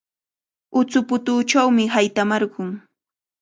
Utsuputuuchawmi haytamarqun.